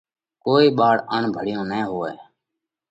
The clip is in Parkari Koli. ڪوئي ٻاۯ اڻڀڻيو نئين هوئہ۔